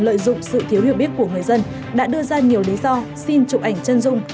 lợi dụng sự thiếu hiểu biết của người dân đã đưa ra nhiều lý do xin chụp ảnh chân dung